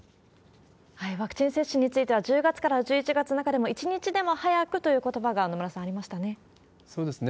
ワクチン接種については、１０月から１１月の中で、もう一日でも早くということばが、野村そうですね。